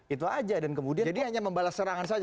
itu aja jadi hanya membalas serangan saja gitu ya